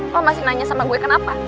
kok masih nanya sama gue kenapa